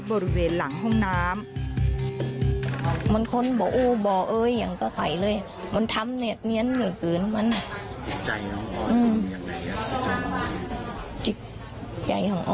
บริเวณหลังห้องน้ำ